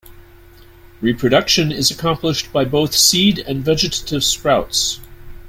Reproduction is accomplished by both seed and vegetative sprouts.